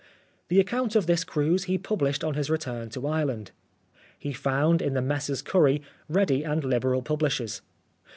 The account of this cruise he published on his return to Ireland. He found in the Messrs Curry ready and liberal publishers.